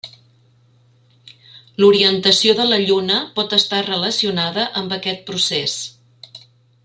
L'orientació de la Lluna pot estar relacionada amb aquest procés.